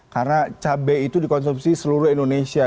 karena cabai itu dikonsumsi seluruh indonesia